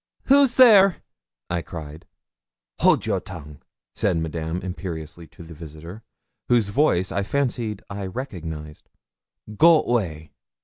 'Who's there?' I cried. 'Hold a your tongue,' said Madame imperiously to the visitor, whose voice I fancied I recognised 'go way.'